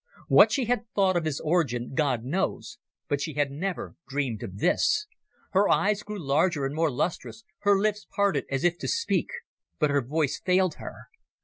What she had thought of his origin God knows, but she had never dreamed of this. Her eyes grew larger and more lustrous, her lips parted as if to speak, but her voice failed her.